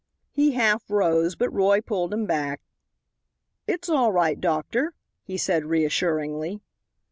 He half rose, but Roy pulled him back. "It's all right, doctor," he said reassuringly.